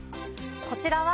こちらは。